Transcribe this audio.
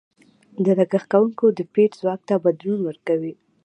د لګښت کوونکو د پېر ځواک ته بدلون ورکوي.